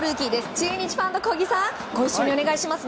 中日ファンの小木さんご一緒にお願いします。